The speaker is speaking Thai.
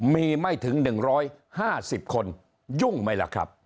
มีไม่ถึง๑๕๐คนยุ่งไหมล่ะครับ